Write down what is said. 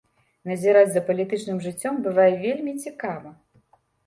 Назіраць за палітычным жыццём бывае вельмі цікава.